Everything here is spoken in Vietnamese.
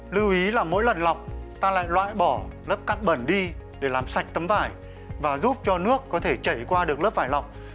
lưu ý là mỗi lần lọc ta lại loại bỏ lớp cắt bẩn đi để làm sạch tấm vải và giúp cho nước có thể chảy qua được lớp vải lọc